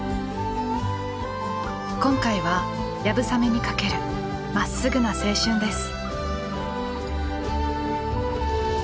今回は流鏑馬にかけるまっすぐな青春です。